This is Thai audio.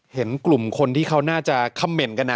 เห็นกลุ่มคนที่เขาน่าจะคำเมนต์กันนะ